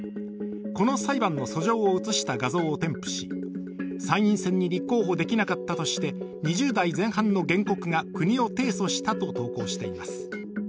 この裁判の訴状を写した画像を添付し参院選に立候補できなかったとして２０代前半の原告が国を提訴したと投稿しています。